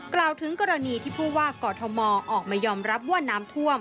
กล่าวถึงกรณีที่ผู้ว่ากอทมออกมายอมรับว่าน้ำท่วม